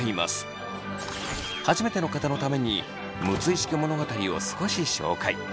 初めての方のために「六石家物語」を少し紹介。